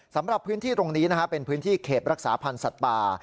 สำหรับพื้นที่ตรงนี้เป็นพื้นที่เขตรักษาพันธ์สัตว์ป่า